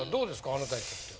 あなたにとっては。